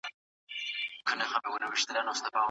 که د امنیت ضعيف وي، نو ټولنه به ګډوډه سي.